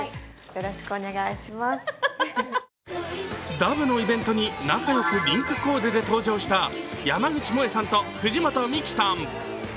ダヴのイベントに仲良くリンクコーデで登場した山口もえさんと藤本美貴さん。